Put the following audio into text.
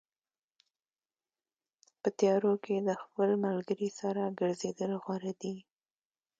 په تیارو کې د خپل ملګري سره ګرځېدل غوره دي.